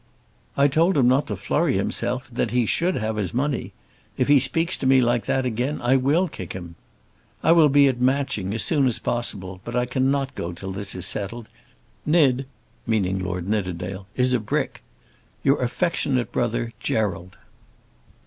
I told him not to flurry himself, and that he should have his money. If he speaks to me like that again I will kick him. I will be at Matching as soon as possible, but I cannot go till this is settled. Nid [meaning Lord Nidderdale] is a brick. Your affectionate Brother, GERALD.